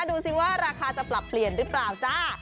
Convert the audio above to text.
ดูสิว่าราคาจะปรับเปลี่ยนหรือเปล่าจ้า